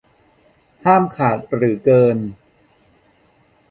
ห้ามขาดหรือเกิน